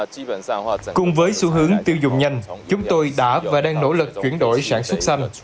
cùng với xu hướng tiêu dùng nhanh chúng tôi đã và đang nỗ lực chuyển đổi sản xuất xanh